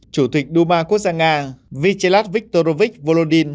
chủ tịch đu ma quốc gia nga vyacheslav viktorovich volodin